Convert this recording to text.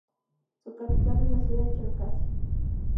La capital es la ciudad de Cherkasy.